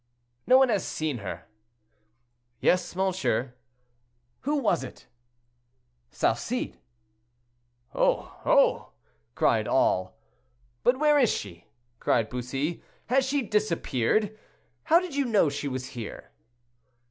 "No one has seen her." "Yes, monsieur." "Who was it?" "Salcede." "Oh! oh!" cried all. "But where is she?" cried Bussy. "Has she disappeared? how did you know she was here?"